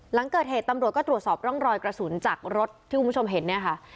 หลังเกิดเหตุตำรวจก็ตรวจสอบร่องรอยกระสุนจากรถที่คุณผู้ชมเห็นเนี่ยค่ะ